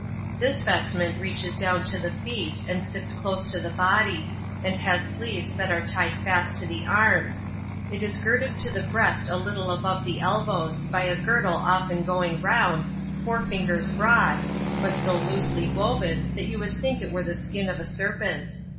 This vestment reaches down to the feet, and sits close to the body; and has sleeves that are tied fast to the arms: it is girded to the breast a little above the elbows, by a girdle often going round, four fingers broad, but so loosely woven, that you would think it were the skin of a serpent.